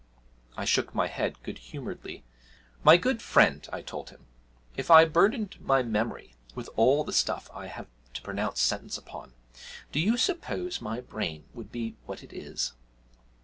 I shook my head good humouredly. 'My good friend,' I told him, 'if I burdened my memory with all the stuff I have to pronounce sentence upon, do you suppose my brain would be what it is?'